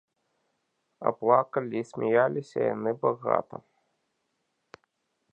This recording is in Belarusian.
А плакалі і смяяліся яны багата.